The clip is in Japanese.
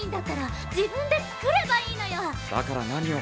「だから何を？」。